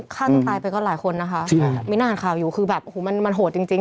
ข้างตายไปก็หลายคนนะคะไม่นานข่าวอยู่คือแบบโอ้โฮมันโหดจริง